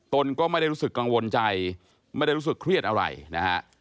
ตนก็ไม่ได้รู้สึกกังวลใจไม่ได้รู้สึกเครียดอะไรนะฮะ